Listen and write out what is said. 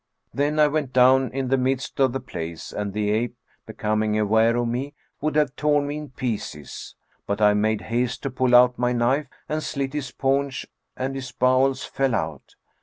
Then I went down in the midst of the place and the ape, becoming aware of me, would have torn me in pieces; but I made haste to pull out my knife and slit his paunch and his bowels fell out.